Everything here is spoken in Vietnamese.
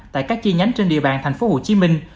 tại các chi nhánh trên địa bàn thành phố hồ chí minh